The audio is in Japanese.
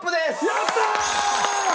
やったー！